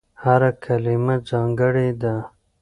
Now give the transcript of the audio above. هره کلمه ځانګړې ده.